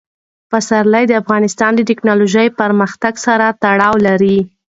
پسرلی د افغانستان د تکنالوژۍ پرمختګ سره تړاو لري.